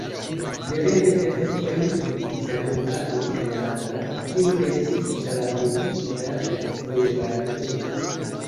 Devene temis pri datumbazo en la angla, kiu estis tradukita en plurajn lingvojn.